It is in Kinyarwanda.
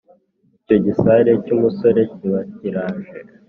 Icyo gisare cy’umusore kiba kiraje